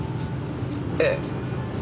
ええ。